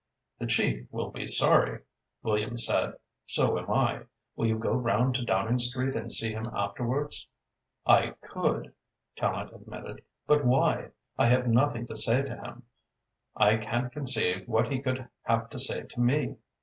"The Chief will be sorry," Williams said. "So am I. Will you go round to Downing Street and see him afterwards?" "I could," Tallente admitted, "but why? I have nothing to say to him. I can't conceive what he could have to say to me.